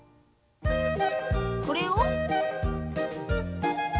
これを。